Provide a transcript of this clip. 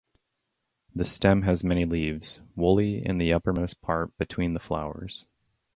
The stem has many leaves, woolly in the uppermost part between the flowers.